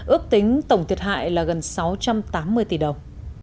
ước tính tổng thiệt hại là gần sáu trăm tám mươi tỷ đồng